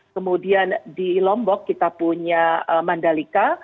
kemudian di lombok kita punya mandalika